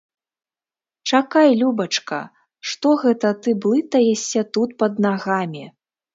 Чакай, любачка, што гэта ты блытаешся тут пад нагамі?